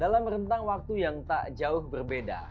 dalam rentang waktu yang tak jauh berbeda